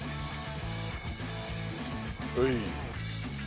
はい。